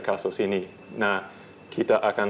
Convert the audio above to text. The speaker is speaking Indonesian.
kasus ini nah kita akan